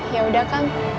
ya udah kang